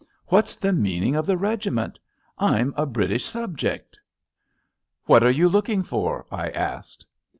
What's the meaning of the regiment? I'm a British subject." " What are you looking for? '* I asked.